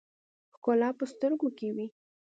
ښکلا په سترګو کښې وي